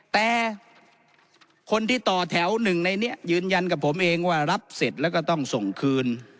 แต่คนที่ต่อแถวหนึ่งในนี้ยืนยันกับผมเองว่ารับเสร็จแล้วก็ต้องส่งคืน